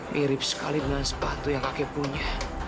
mirip sekali dengan sepatu yang kakek punya